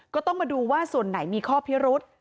ก็ต้องมาดูว่าส่วนไหนมีข้อพิรุษ